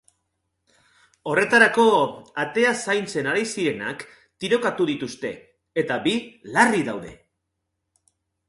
Horretarako, atea zaintzen ari zirenak tirokatu dituzte, eta bi larri daude.